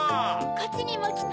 こっちにもきて！